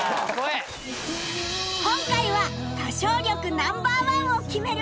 今回は歌唱力 Ｎｏ．１ を決める